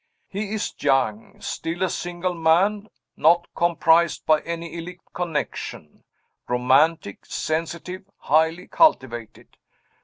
He is young; still a single man; not compromised by any illicit connection; romantic, sensitive, highly cultivated.